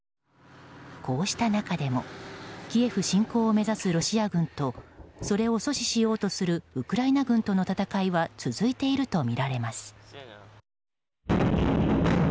こうした中でもキエフ侵攻を目指すロシア軍とそれを阻止しようとするウクライナ軍との戦いは続いているとみられます。